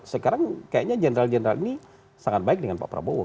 sekarang kayaknya jenderal jenderal ini sangat baik dengan pak prabowo